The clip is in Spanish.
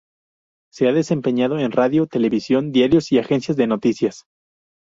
Se ha desempeñado en Radio, Televisión, diarios y agencias de noticias.